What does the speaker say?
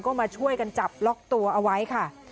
ก็มาช่วยกันจับล็อกตัวเอาไว้ค่ะ